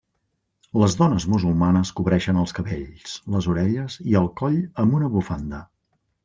Les dones musulmanes cobreixen els cabells, les orelles i el coll amb una bufanda.